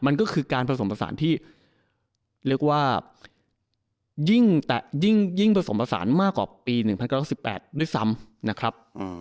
มันก็คือการผสมผสานที่เรียกว่ายิ่งผสมผสานมากกว่าปี๑๙๖๘ด้วยซ้ำนะครับ